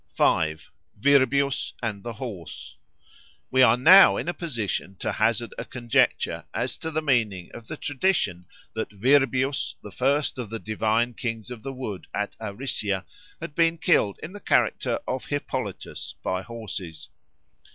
5. Virbius and the Horse WE are now in a position to hazard a conjecture as to the meaning of the tradition that Virbius, the first of the divine Kings of the Wood at Aricia, had been killed in the character of Hippolytus by horses.